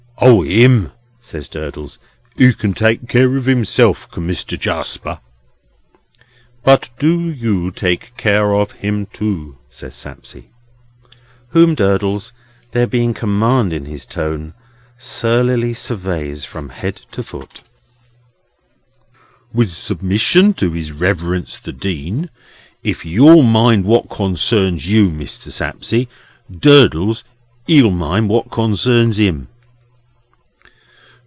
"O! him?" says Durdles. "He can take care of himself, can Mister Jarsper." "But do you take care of him too," says Sapsea. Whom Durdles (there being command in his tone) surlily surveys from head to foot. "With submission to his Reverence the Dean, if you'll mind what concerns you, Mr. Sapsea, Durdles he'll mind what concerns him."